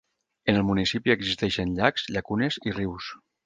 En el municipi existeixen Llacs, Llacunes i Rius.